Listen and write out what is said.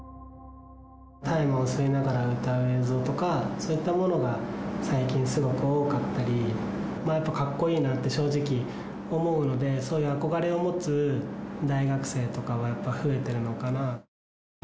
大麻を吸いながら歌う映像とか、そういったものが最近すごく多かったり、やっぱかっこいいなって正直思うので、そういう憧れを持つ大学生とかは、やっぱ増えてるのかな。